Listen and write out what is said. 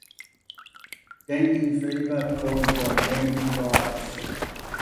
Dengue fever caused by "Dengue virus".